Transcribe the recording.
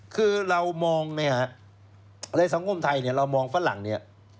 คือเรามองเนี่ยฮะในสังคมไทยเนี่ยเรามองฝรั่งเนี่ย